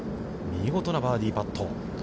見事なバーディーパット。